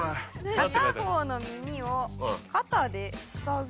「片方の耳を肩で塞ぐ」。